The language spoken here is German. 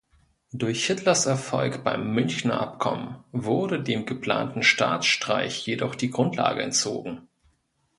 Durch Hitlers Erfolg beim Münchner Abkommen wurde dem geplanten Staatsstreich jedoch die Grundlage entzogen.